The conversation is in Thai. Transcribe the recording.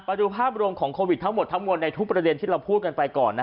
ไปดูภาพรวมของโควิดทั้งหมดทั้งมวลในทุกประเด็นที่เราพูดกันไปก่อน